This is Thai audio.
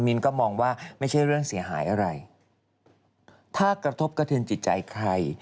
นก็มองว่าไม่ใช่เรื่องเสียหายอะไรถ้ากระทบกระเทือนจิตใจใคร